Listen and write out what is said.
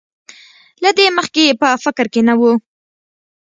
له دې مخکې یې په فکر کې نه وو.